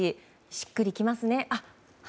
しっくりきますね。